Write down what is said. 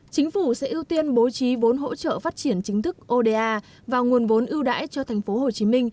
chính phủ sẽ ưu tiên bố trí vốn hỗ trợ phát triển chính thức oda và nguồn vốn ưu đãi cho tp hcm